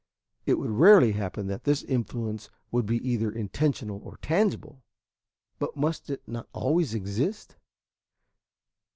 It would rarely happen that this influence would be either intentional or tangible, but must it not always exist?